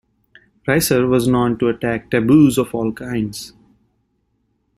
Reiser was known to attack taboos of all kinds.